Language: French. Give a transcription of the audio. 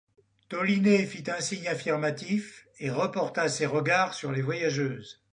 Toliné fit un signe affirmatif et reporta ses regards sur les voyageuses.